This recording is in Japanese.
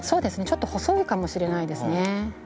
ちょっと細いかもしれないですね。